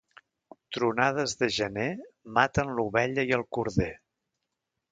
Tronades de gener maten l'ovella i el corder.